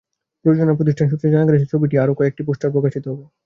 প্রযোজনা প্রতিষ্ঠান সূত্রে জানা গেছে, ছবিটির আরও কয়েকটি পোস্টার প্রকাশিত হবে।